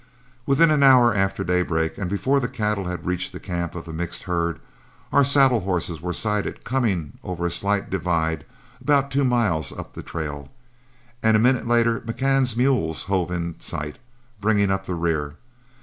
Within an hour after daybreak, and before the cattle had reached the camp of the mixed herd, our saddle horses were sighted coming over a slight divide about two miles up the trail, and a minute later McCann's mules hove in sight, bringing up the rear.